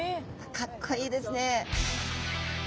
かっこいいですね。